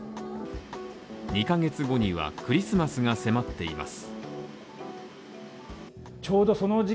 ２ヶ月後にはクリスマスが迫っています。